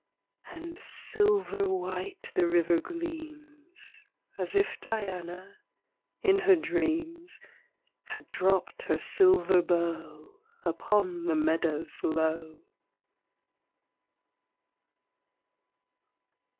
And silver white the river gleams, As if Diana, in her dreams, Had dropt her silver bow Upon the meadows low.